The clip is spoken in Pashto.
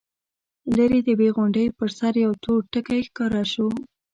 ليرې د يوې غونډۍ پر سر يو تور ټکی ښکاره شو.